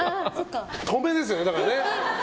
止めですよね、だから。